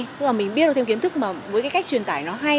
tức là mình biết được thêm kiến thức mà với cách truyền tải nó hay